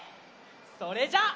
それじゃあ。